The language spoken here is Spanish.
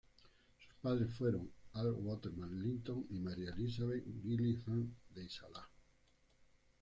Sus padres fueron Al Waterman Linton y Maria Elizabeth Gillingham de Isaiah.